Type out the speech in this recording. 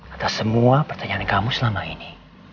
atas semua pertanyaan kamu selama ini